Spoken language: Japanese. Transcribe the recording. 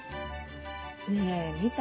ねぇ見た？